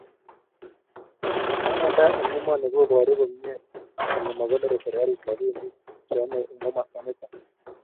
Bananda eng emoni koboru komye kole makonori serkalit robinik che yemei eng komasta nito